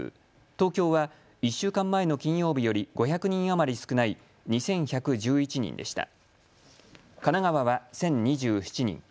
東京は１週間前の金曜日より５００人余り少ない２１１１人でした。